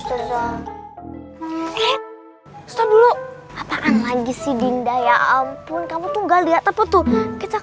eh stop dulu apaan lagi sih dinda ya ampun kamu tuh gak lihat apa tuh